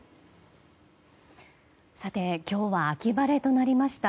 今日は秋晴れとなりました。